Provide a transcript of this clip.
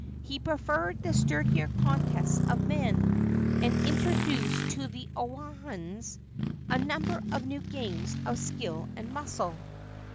He preferred the sturdier contests of men, and introduced to the Oahuans a number of new games of skill and muscle.